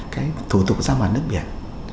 cái thủ tục ra mặt nước biển